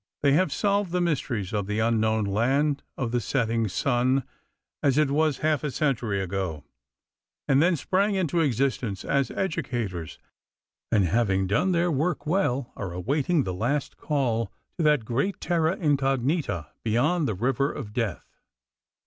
They have solved the mysteries of the unknown land of the setting sun as it was half a century ago, and then sprang into existence as educators, and having done their work well are awaiting the last call to that great terra incognita beyond the river of death.